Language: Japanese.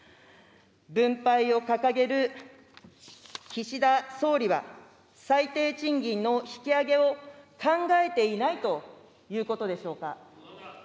分配を掲げる岸田総理は、最低賃金の引き上げを考えていないということでしょうか。